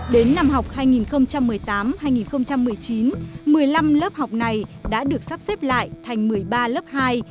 đến năm học hai nghìn một mươi tám hai nghìn một mươi chín một mươi năm lớp học này đã được sắp xếp lại thành một mươi ba lớp hai